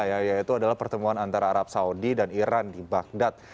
yaitu adalah pertemuan antara arab saudi dan iran di bagdad